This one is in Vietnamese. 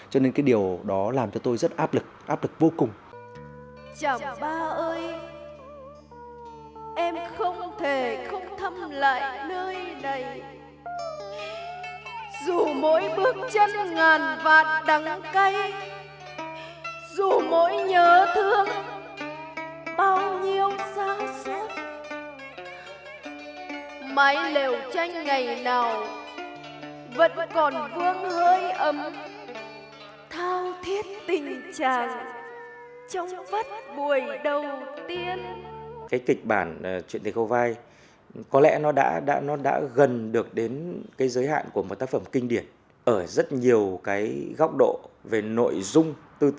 cho nên cái điều đó làm cho tôi rất áp lực áp lực vô cùng